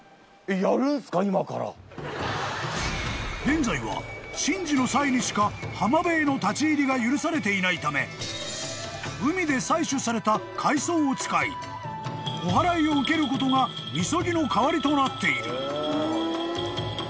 ［現在は神事の際にしか浜辺への立ち入りが許されていないため海で採取された海藻を使いおはらいを受けることがみそぎの代わりとなっている］